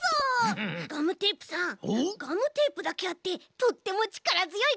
ガムテープだけあってとってもちからづよいこえですね！